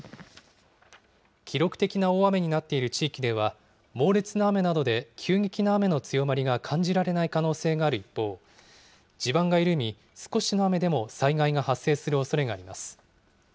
記録的な大雨になっている地域では、猛烈な雨などで急激な雨の強まりが感じられない可能性がある一方、地盤が緩み、少しの雨でも災害が発生するおそれがあります。